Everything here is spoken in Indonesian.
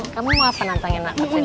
kamu mau apa nantangin anak kecilnya